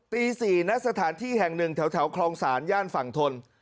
ตี๔ณสถานที่แห่งหนึ่งแถวคลองศาลย่านฝั่งทน